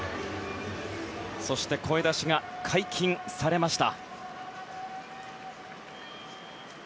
そして声出しが解禁されました。